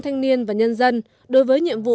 thanh niên và nhân dân đối với nhiệm vụ